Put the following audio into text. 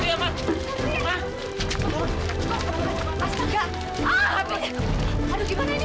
ya allah tolong